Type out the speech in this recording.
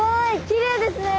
きれいですね！